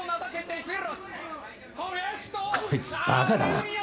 こいつバカだな。